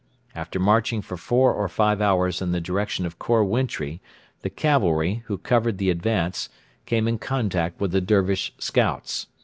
After marching for four or five hours in the direction of Khor Wintri the cavalry, who covered the advance, came in contact with the Dervish scouts.